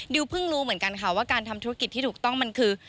เพิ่งรู้เหมือนกันค่ะว่าการทำธุรกิจที่ถูกต้องมันคือ